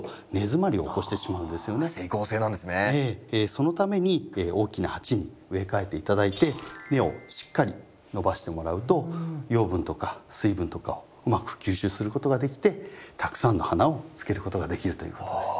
そのために大きな鉢に植え替えて頂いて根をしっかり伸ばしてもらうと養分とか水分とかをうまく吸収することができてたくさんの花をつけることができるということです。